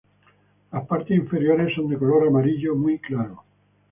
Las partes inferiores son de color amarillo muy claro.